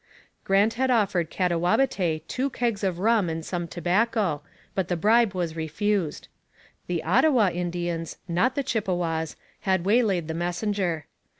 Grant had offered Katawabetay two kegs of rum and some tobacco, but the bribe was refused. The Ottawa Indians, not the Chippewas, had waylaid the messenger.